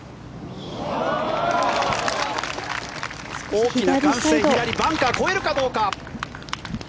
大きな歓声左のバンカー越えるかどうか。